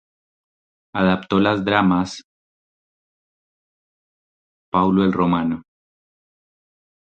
Adaptó los dramas "Paulo el Romano.